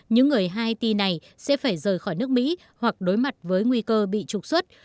những người haiti này sẽ phải rời khỏi nước mỹ hoặc đối mặt với nguy cơ bị trục xuất